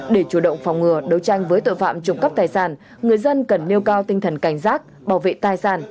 để chủ động phòng ngừa đấu tranh với tội phạm trộm cắp tài sản người dân cần nêu cao tinh thần cảnh giác bảo vệ tài sản